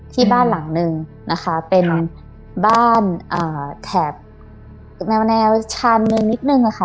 ที่บ้านหลังนึงนะคะเป็นบ้านแถบแนวชานเมืองนิดนึงค่ะ